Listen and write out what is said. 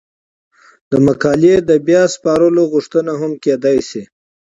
د مقالې د بیا سپارلو غوښتنه هم کیدای شي.